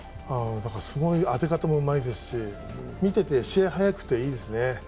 当て方もうまいですし見てて試合早くていいですね。